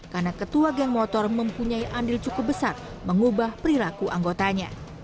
karena ketua geng motor mempunyai andil cukup besar mengubah perilaku anggotanya